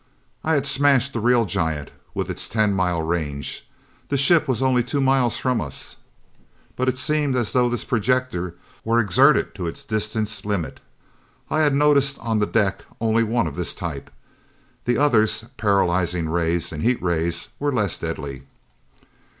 I had smashed the real giant, with its ten mile range. The ship was only two miles from us, but it seemed as though this projector were exerted to its distance limit. I had noticed on the deck only one of this type. The others, paralyzing rays and heat rays, were less deadly.